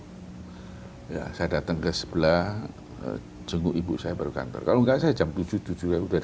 hai ya saya datang ke sebelah jenguk ibu saya baru kantor kalau nggak saya jam tujuh tujuh udah